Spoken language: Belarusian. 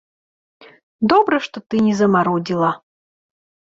Добра, што ты не замарудзіла!